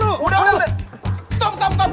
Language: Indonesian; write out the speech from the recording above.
udah udah stop stop stop